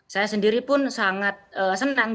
saya sendiri pun sangat senang